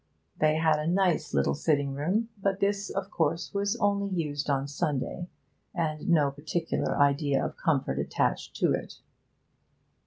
They had a nice little sitting room; but this, of course, was only used on Sunday, and no particular idea of comfort attached to it.